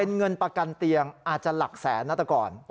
เป็นเงินประกันเตียงอาจจะหลักแสนนะแต่ก่อน